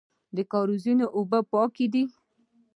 د کاریزونو اوبه پاکې دي